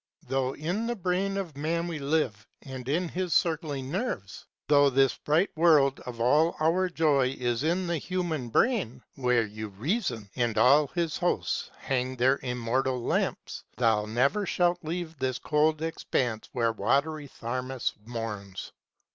Though in the Brain of Man we live and in his circling Nerves, Though this bright world of all our joy is in the Human Brain VALA : NIGHT T. 15 Where Urizen and all his hosts hang their immortal lamps, 290 Thou never shalt leave this cold expanse where watery Tharmas mourns.